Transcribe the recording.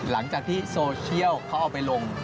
หลังจากที่โซเชียลเขาเอาไปลง